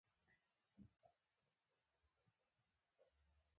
د نجونو پرائمري سکول کلي شېر محمد تارڼ.